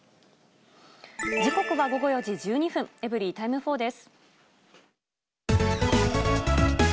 時刻は午後４時１２分、エブリィタイム４です。